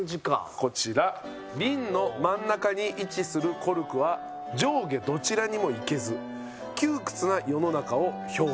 こちら瓶の真ん中に位置するコルクは上下どちらにも行けず窮屈な世の中を表現。